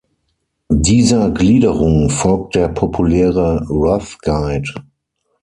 Dieser Gliederung folgt der populäre "Rough Guide".